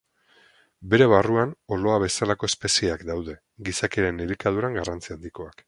Bere barruan oloa bezalako espezieak daude, gizakiaren elikaduran garrantzi handikoak.